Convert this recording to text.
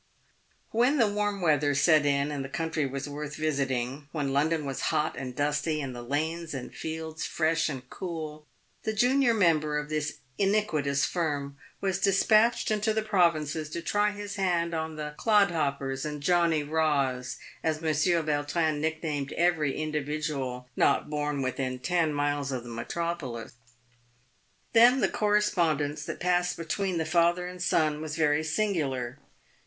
"When the warm weather set in and the country was worth visiting ; when London was hot and dusty and the lanes and fields fresh and cool; the junior member of this iniquitous firm was despatched into the provinces to try his hand on the " clodhoppers and johnny raws," as Monsieur Vautrin nicknamed every individual not born within ten PAYED WITH GOLD. miles of the metropolis. Then the correspondence that passed be tween the father and son was very singular.